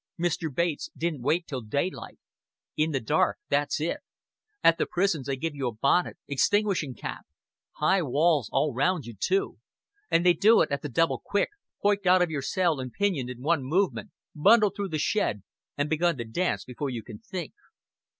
"Mr. Bates didn't wait till daylight. In the dark that's it. At the prisons they give you a bonnet extinguishing cap; high walls all round you too; and they do it at the double quick hoicked out of your cell and pinioned in one movement, bundled through the shed, and begun to dance before you can think.